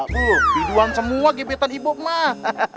biduan semua gebetan ibok mah